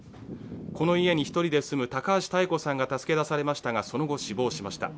この家に１人で住む高橋妙子さんが助け出されましたがその後死亡しました。